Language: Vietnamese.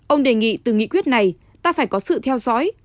ông đề nghị từ nghị quyết này ta phải có sự theo dõi